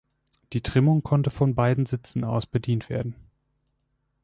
Die Trimmung konnte von beiden Sitzen aus bedient werden.